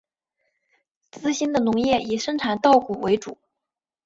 资兴的农业以生产稻谷为主。